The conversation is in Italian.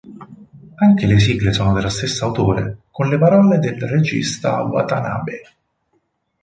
Anche le sigle sono dello stesso autore, con le parole del regista Watanabe.